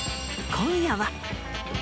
今夜は。